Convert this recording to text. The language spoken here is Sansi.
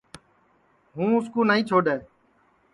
ہُوں اُس کُو نائی چھوڈؔے